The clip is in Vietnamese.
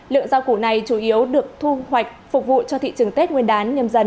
lượng rau củ này chủ yếu được thu hoạch phục vụ cho thị trường tết nguyên đán nhầm dần hai nghìn hai mươi hai